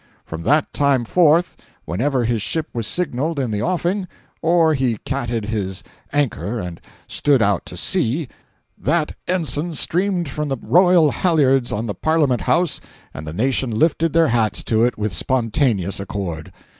From that time forth, whenever his ship was signaled in the offing, or he catted his anchor and stood out to sea, that ensign streamed from the royal halliards on the parliament house and the nation lifted their hats to it with spontaneous accord.